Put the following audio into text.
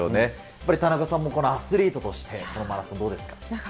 やっぱり田中さんも、このアスリートとして、このマラソン、どうですか？